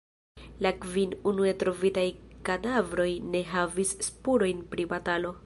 La kvin unue trovitaj kadavroj ne havis spurojn pri batalo.